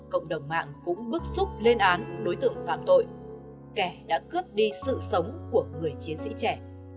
cộng đồng mạng cũng bức xúc lên án đối tượng phạm tội kẻ đã cướp đi sự sống của người chiến sĩ trẻ